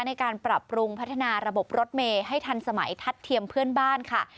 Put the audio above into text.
ในการปรับปรุงพัฒนาระบบรถเมย์ให้ทันสมัยทัดเทียมเพื่อนบ้านค่ะ